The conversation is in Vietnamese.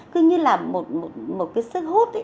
cứ như là một cái sức hút